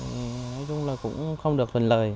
nói chung là cũng không được phần lời